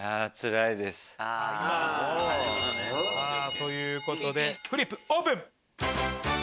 ということでフリップオープン！